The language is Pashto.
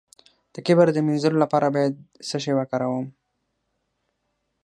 د کبر د مینځلو لپاره باید څه شی وکاروم؟